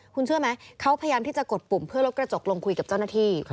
คุณเชื่อไหมเขาพยายามที่จะกดปุ่มเพื่อลดกระจกลงคุยกับเจ้าหน้าที่